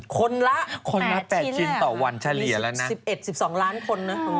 คนละ๘ชิ้นแหละมี๑๑๑๒ล้านคนนะ